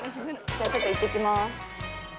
ちょっと行ってきます。